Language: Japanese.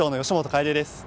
楓です。